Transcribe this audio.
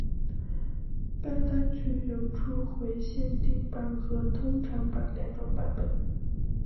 该单曲有初回限定版和通常版两种版本。